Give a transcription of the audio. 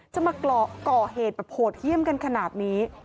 จะมาก่อเหตุแบบโหดเยี่ยมกันขนาดนี้